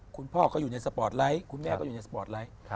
คุณพ่อก็อยู่ในสปอร์ตไลท์คุณแม่ก็อยู่ในสปอร์ตไลท์